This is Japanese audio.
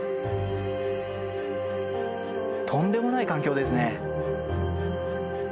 とんでもない環境ですね。